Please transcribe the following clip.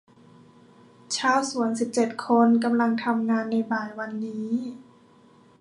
ชาวสวนสิบเจ็ดคนกำลังทำงานในบ่ายวันนี้